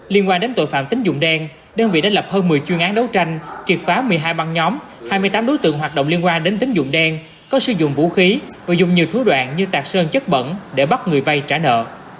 liên quan đến tội phạm tính dụng đen đơn vị đã lập hơn một mươi chuyên án đấu tranh kiệt phá một mươi hai băng nhóm hai mươi tám đối tượng hoạt động liên quan đến tính dụng đen có sử dụng vũ khí và dùng nhiều thú đoạn như tạc sơn chất bẩn để bắt người vay trả nợ